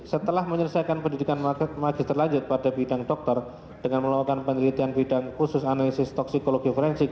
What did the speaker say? setelah menyelesaikan pendidikan magister lanjut pada bidang dokter dengan melakukan penelitian bidang khusus analisis toksikologi forensik